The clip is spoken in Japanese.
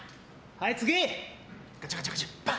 はい、次！